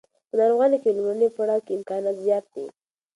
په ناروغانو کې لومړني پړاو کې امکانات زیات دي.